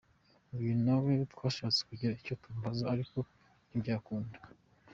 Uyu na we twashatse kugira icyo tumubaza ariko ntibyakunda.